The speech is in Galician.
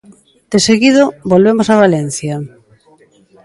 Deseguido, volvemos a Valencia.